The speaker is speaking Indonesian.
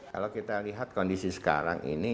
kalau kita lihat kondisi sekarang ini